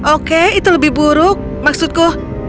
oke itu lebih buruk maksudku